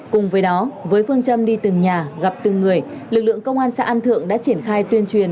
cùng với đó với phương châm đi từng nhà gặp từng người lực lượng công an xã an thượng đã triển khai tuyên truyền